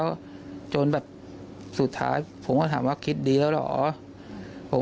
หัวหน้าอุทิวันเกิดมาอีกที่บุคคล